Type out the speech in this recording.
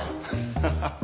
ハハハ。